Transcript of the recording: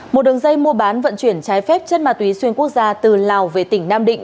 một đường dây mua bán vận chuyển trái phép chất ma túy xuyên quốc gia từ lào về tỉnh nam định